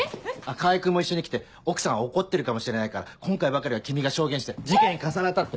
川合君も一緒に来て奥さん怒ってるかもしれないから今回ばかりは君が証言して事件重なったって。